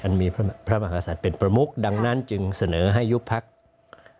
อันมีพระมหาศาสตร์เป็นประมุกดังนั้นจึงเสนอให้ยุบภักดิ์